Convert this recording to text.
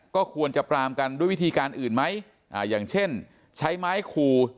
ก็ควรจะปรามกันด้วยวิธีการอื่นไหมอย่างเช่นใช้ไม้คู